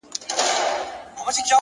سیاه پوسي ده’ مرگ خو یې زوی دی’